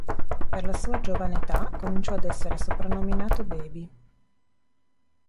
Per la sua giovane età cominciò ad essere soprannominato "Baby".